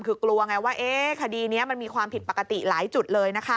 คือกลัวไงว่าคดีนี้มันมีความผิดปกติหลายจุดเลยนะคะ